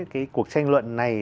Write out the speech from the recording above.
cái cuộc tranh luận này